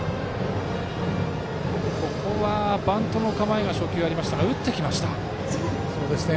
ここは、バントの構えが初球にありましたが打ってきました。